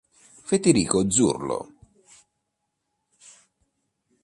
Federico Zurlo